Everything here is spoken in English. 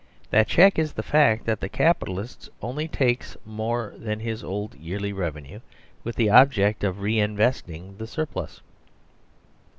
That check is the fact that the Capitalist only takes more than his old yearly revenue with the object of reinvesting the surplus.